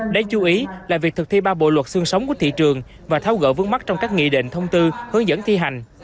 đáng chú ý là việc thực thi ba bộ luật xương sống của thị trường và tháo gỡ vướng mắt trong các nghị định thông tư hướng dẫn thi hành